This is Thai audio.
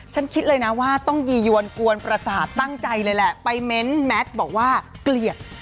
คิดเลยนะว่าต้องยียวนกวนประสาทตั้งใจเลยแหละไปเม้นต์แมทบอกว่าเกลียด